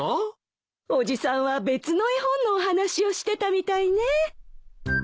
おじさんは別の絵本のお話をしてたみたいね。